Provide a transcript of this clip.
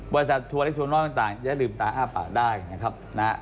บริษัททัวร์เล็กทัวร์น้อยต่างจะได้ลืมตาอ้าปากได้นะครับ